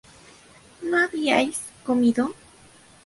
¿no habíais comido?